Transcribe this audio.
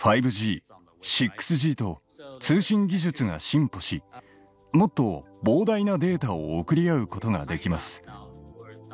５Ｇ６Ｇと通信技術が進歩しもっと膨大なデータを送り合うことができます。